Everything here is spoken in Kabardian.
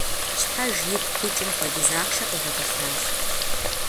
Щхьэж игу пыкӏым хуэдиз ахъшэ къигъэтӏылъащ.